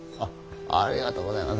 ありがとうございます